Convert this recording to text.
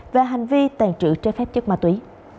về hành vi tàn trữ trái phép chất ma túy